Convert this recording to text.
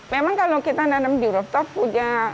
memang kalau kita nanam di rooftop punya